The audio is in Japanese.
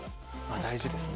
大事ですね。